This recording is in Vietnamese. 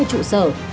bốn mươi trụ sở